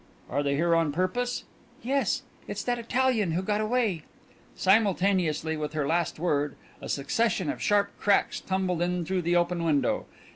"Are they here on purpose?" "Yes it's that Italian who got away " Simultaneously with her last word, a succession of sharp cracks tumbled in through the open window.